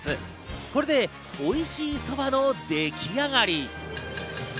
これでおいしいそばのでき上がり。